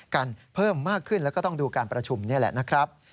กันเพิ่มมากขึ้นแล้วก็ต้องดูการประชุมนี่แหละนะครับ